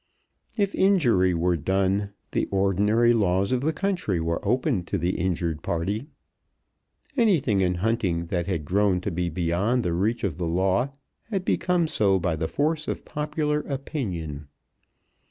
If injury were done, the ordinary laws of the country were open to the injured party. Anything in hunting that had grown to be beyond the reach of the law had become so by the force of popular opinion.